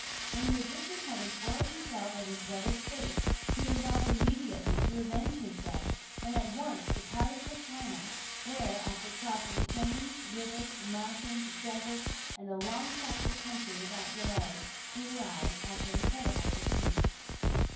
When the magician had informed himself of his brother's fate, he resolved immediately to revenge his death, and at once departed for China; where, after crossing plains, rivers, mountains, deserts, and a long tract of country without delay, he arrived after incredible fatigues.